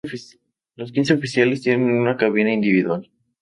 Los quince oficiales tienen una cabina individual.